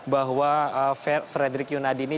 bahwa frederick yunadini